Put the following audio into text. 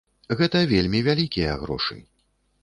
Гэта вельмі вялікія грошы.